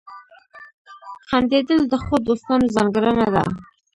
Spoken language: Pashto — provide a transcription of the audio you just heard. • خندېدل د ښو دوستانو ځانګړنه ده.